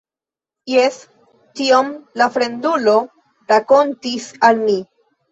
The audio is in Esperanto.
Jes, tion la fremdulo rakontis al mi.